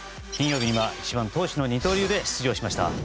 金曜日には１番投手の二刀流で出場しました。